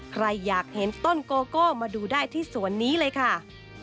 ใครอยากเห็นต้นโกโก้มาดูได้ที่สวนนี้เลยค่ะ